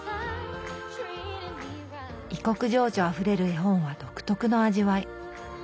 異国情緒あふれる絵本は独特の味わい。